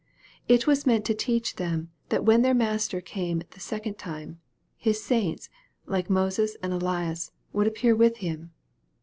It was meant to teach them that when their Master came the second time, His saints, like Moses and Elias, would appear with Him.